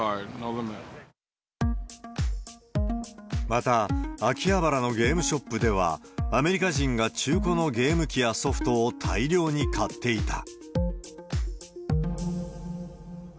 また、秋葉原のゲームショップでは、アメリカ人が中古のゲーム機やソフトを大量に買っていた。